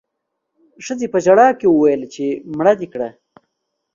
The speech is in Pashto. ښځې په ژړا کې وويل چې مړه دې کړه